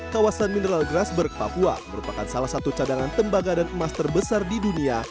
kawasan mineral grasberg papua merupakan salah satu cadangan tembaga dan emas terbesar di dunia